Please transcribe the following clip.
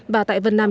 và tại vân nam